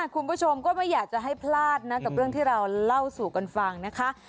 คุณผู้ชมก็ไม่อยากจะให้พลาดนะกับเรื่องที่เราเล่าสู่กันฟังนะคะ